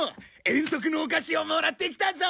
「遠足のお菓子」をもらってきたぞ。